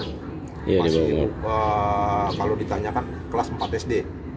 masih kalau ditanyakan kelas empat sd